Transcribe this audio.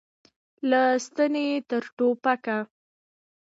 له ستنې تر ټوپکه.